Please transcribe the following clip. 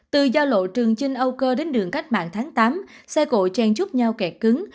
từ giao lộ trường chinh âu cơ đến đường cách mạng tháng tám xe cộ trang giúp nhau kẹt cứng